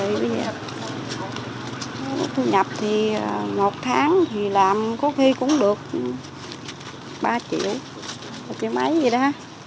rồi bây giờ thu nhập thì một tháng thì làm có khi cũng được ba triệu một triệu mấy vậy đó